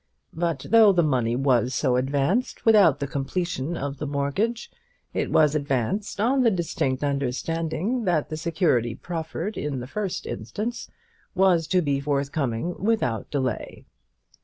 But though the money was so advanced without the completion of the mortgage, it was advanced on the distinct understanding that the security proffered in the first instance was to be forthcoming without delay.